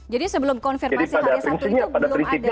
jadi sebelum konfirmasi hari sabtu itu belum ada